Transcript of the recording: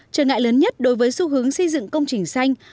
trở ngại lớn nhất đối với xu hướng xây dựng công trình xanh